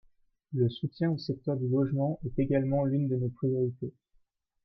Le soutien au secteur du logement est également l’une de nos priorités.